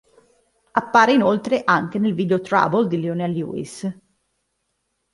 Appare inoltre anche nel video "Trouble" di Leona Lewis.